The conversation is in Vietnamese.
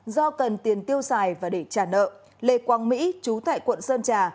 do cần tiền tiêu xài và để trả nợ lê quang mỹ chú tại quận sơn trà